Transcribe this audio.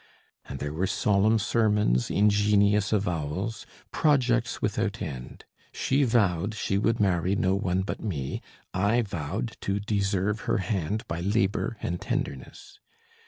And there were solemn sermons, ingenious avowals, projects without end. She vowed she would marry no one but me, I vowed to deserve her hand by labour and tenderness.